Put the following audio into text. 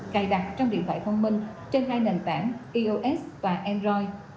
cài đặt trong điện thoại thông minh trên hai nền tảng eos và android